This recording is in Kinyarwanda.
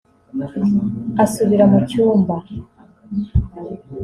Asubira mu cyumba